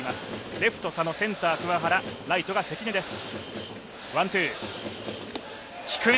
レフト・佐野、センター・桑原、ライトが関根です。